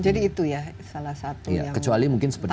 jadi itu ya salah satu yang tantangan yang terjadi